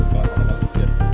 bagaimana kita buat